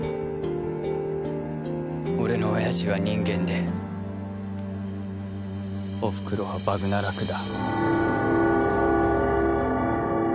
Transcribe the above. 俺のおやじは人間でおふくろはバグナラクだ。